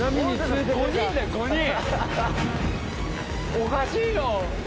おかしいよ。